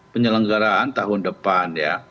penyelenggaraan tahun depan